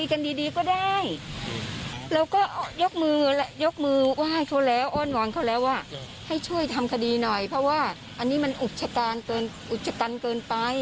โอ้นหวังเขาแล้วว่าให้ช่วยทำคดีหน่อยเพราะว่าอันนี้มันอุจจักรเกินไป